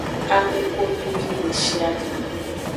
Amexomevi deshiade.